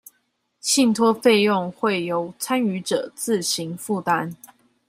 信託費用會由參與者自行負擔